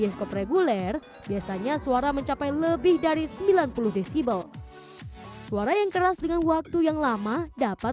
bioskop reguler biasanya suara mencapai lebih dari sembilan puluh desibel suara yang keras dengan waktu yang lama dapat